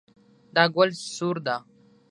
دا ګل سور ده